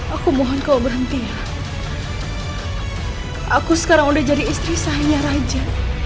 aku mohon kau berhenti ya aku sekarang udah jadi istri saya raja